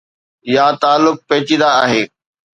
يا تعلق پيچيده آهي.